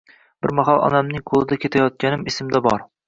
Bir mahal onamning qo‘lida ketayotganim esimda bor.